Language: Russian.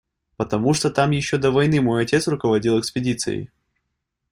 Потому что там еще до войны мой отец руководил экспедицией.